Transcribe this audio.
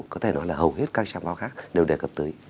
có thể nói là hầu hết các trang báo khác đều đề cập tới